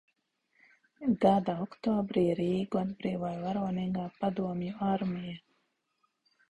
Gada oktobrī Rīgu atbrīvoja varonīgā padomju armija.